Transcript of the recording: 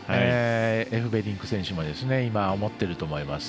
エフベリンク選手も今思ってると思います。